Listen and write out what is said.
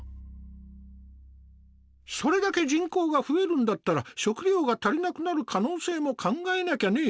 それだけ人口が増えるんだったら食糧が足りなくなる可能性も考えなきゃね。